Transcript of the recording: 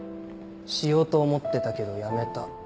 しようと思ってたけどやめた。